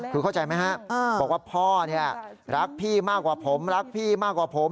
คุณเข้าใจไหมฮะบอกว่าพ่อรักพี่มากกว่าผมรักพี่มากกว่าผม